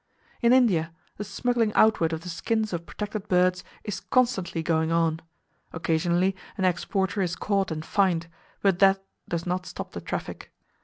In India, the smuggling outward of the skins of protected birds is constantly going on. Occasionally an exporter is caught and fined; but that does not stop the traffic.